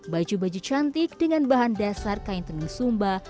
baju baju cantik dengan bahan dasar kain tenun sumba